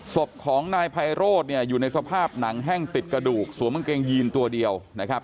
ศพของนายไพโรธเนี่ยอยู่ในสภาพหนังแห้งติดกระดูกสวมกางเกงยีนตัวเดียวนะครับ